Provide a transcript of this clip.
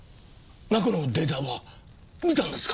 中のデータは見たんですか？